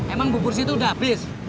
emang bubur situ udah habis